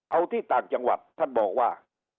เอาที่ต่างจังหวัดท่านบอกว่า